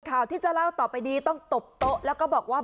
ข่าวที่จะเล่าต่อไปนี้ต้องตบโต๊ะแล้วก็บอกว่า